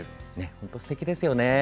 本当にすてきですよね。